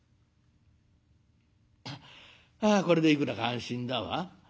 「あこれでいくらか安心だわ。